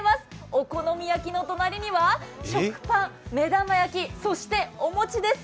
お好み焼きの隣には食パン、目玉焼き、そしてお餅です。